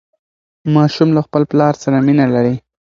ماشوم له خپل پلار سره مینه لري.